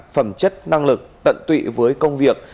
phẩm chất năng lực tận tụy với công việc